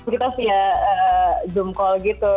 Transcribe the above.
kita sih ya zoom call gitu